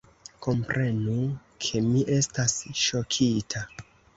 Komprenu, ke mi estas ŝokita!